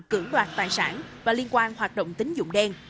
cử loạt tài sản và liên quan hoạt động tính dụng đen